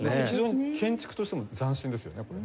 非常に建築としても斬新ですよね